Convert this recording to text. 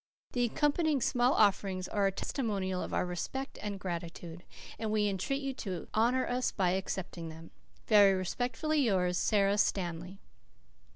The accompanying small offerings are a testimonial of our respect and gratitude, and we entreat you to honour us by accepting them. "Very respectfully yours, "SARA STANLEY."